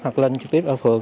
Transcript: hoặc lên trực tiếp ở phường